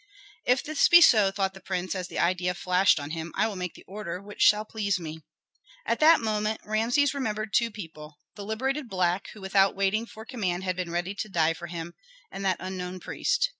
"If this be so," thought the prince, as the idea flashed on him, "I will make the order which shall please me." At that moment Rameses remembered two people, the liberated black who without waiting for command had been ready to die for him, and that unknown priest.